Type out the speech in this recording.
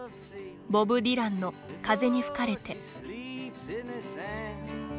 ボブ・ディランの「風に吹かれて」。